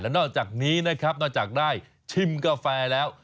นอกจากนี้นะครับนอกจากได้ชิมกาแฟแล้ว